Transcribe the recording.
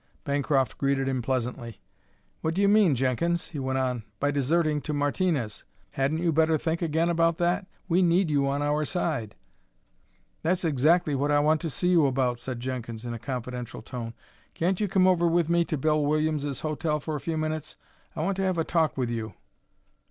Bancroft greeted him pleasantly. "What do you mean, Jenkins," he went on, "by deserting to Martinez? Hadn't you better think again about that? We need you on our side." "That's exactly what I want to see you about," said Jenkins in a confidential tone. "Can't you come over with me to Bill Williams's hotel for a few minutes? I want to have a talk with you."